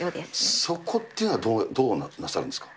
そこっていうのは、どうなさるんですか。